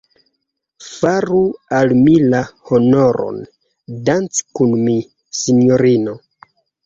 Faru al mi la honoron, danci kun mi, sinjorino.